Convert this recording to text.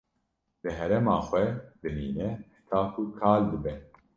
Li herêma xwe dimîne heta ku kal dibe.